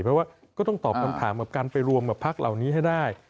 เพราะว่าก็ต้องตอบคำถามกับการไปรวมกับพักเหล่านี้ให้ได้